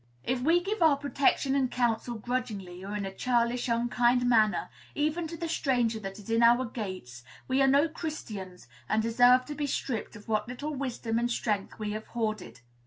If we give our protection and counsel grudgingly, or in a churlish, unkind manner, even to the stranger that is in our gates, we are no Christians, and deserve to be stripped of what little wisdom and strength we have hoarded.